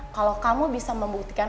kalau kamu bisa membuktikan